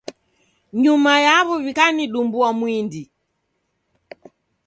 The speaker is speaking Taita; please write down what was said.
Nyuma yaro w'ikanidumbua mwindi.